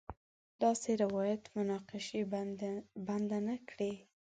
داسې روایت مناقشې بنده نه کړي.